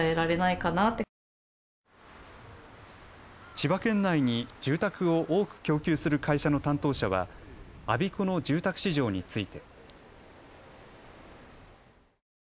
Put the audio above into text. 千葉県内に住宅を多く供給する会社の担当者は我孫子の住宅市場について。